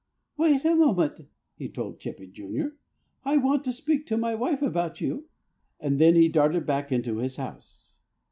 "Wait just a moment!" he told Chippy, Jr. "I want to speak to my wife about you." And then he darted back into his house.